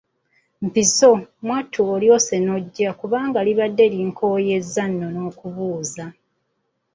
Mpiso, mwattu olyose n’ojja kuba libadde linkooyezza n’okumbuuza.